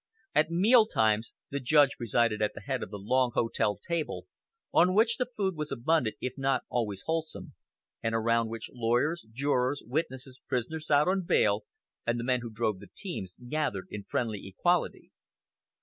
At meal times the judge presided at the head of the long hotel table, on which the food was abundant if not always wholesome, and around which lawyers, jurors, witnesses, prisoners out on bail, and the men who drove the teams, gathered in friendly equality.